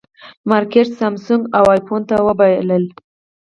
مارکېټ یې سامسونګ او ایفون ته وبایله.